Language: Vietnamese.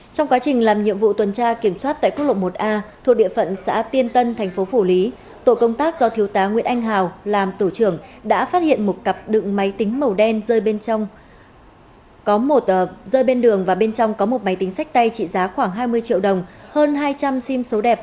trong quá trình làm nhiệm vụ tuần tra kiểm soát tại quốc lộ một a thuộc địa phận xã tiên tân thành phố phủ lý tổ công tác do thiếu tá nguyễn anh hào làm tổ trưởng đã phát hiện một cặp đựng máy tính màu đen rơi bên trong có một rơi bên đường và bên trong có một máy tính sách tay trị giá khoảng hai mươi triệu đồng hơn hai trăm linh sim số đẹp